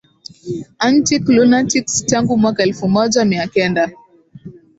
antic lunatics tangu mwaka elfu moja mia kenda